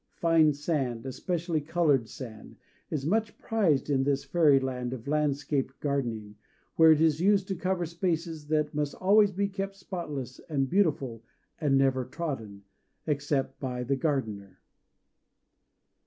Fine sand especially colored sand is much prized in this fairy land of landscape gardening, where it is used to cover spaces that must always be kept spotless and beautiful, and never trodden, except by the gardener.